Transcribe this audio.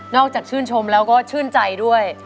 จากชื่นชมแล้วก็ชื่นใจด้วย